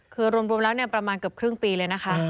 คือรวมแล้วประมาณเกือบครึ่งปีเลยนะคะ